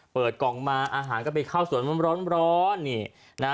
เปิดกล่องมาอาหารก็ไปข้าวส่วนร้อน